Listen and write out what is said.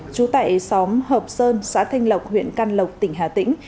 trú tại xóm hợp sơn xã thanh lộc huyện can lộc tỉnh hà tĩnh